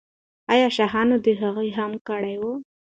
آیا شاهانو د هغې غم کړی و؟